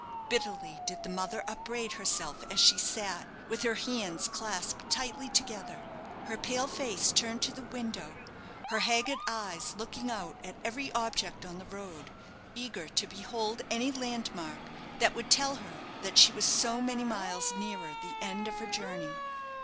Bitterly did the mother upbraid herself as she sat, with her hands clasped tightly together, her pale face turned to the window, her haggard eyes looking out at every object on the road, eager to behold any landmark that would tell her that she was so many miles nearer the end of her journey.